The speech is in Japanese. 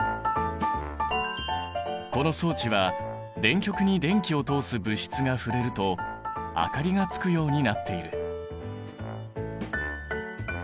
この装置は電極に電気を通す物質が触れると明かりがつくようになっている。